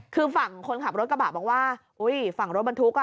คือฝั่งคนขับรถกระบะบอกว่าอุ้ยฝั่งรถบรรทุกอ่ะ